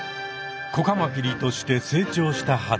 子カマキリとして成長したはず。